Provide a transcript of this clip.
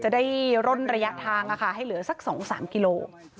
ได้รนระยะทางนะคะให้เหลือสักสองสามกิโล